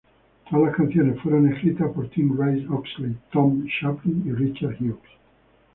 Todas las canciones fueron escritas por Tim Rice-Oxley, Tom Chaplin y Richard Hughes.